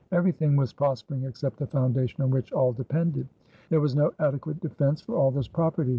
Everything was prospering except the foundation on which all depended. There was no adequate defense for all this property.